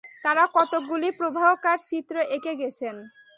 তাঁরা কতকগুলি প্রবাহকার-চিত্র এঁকে গেছেন।